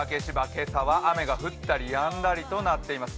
今朝は雨が降ったりやんだりとなっています。